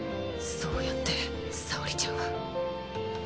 そうやって沙織ちゃんは。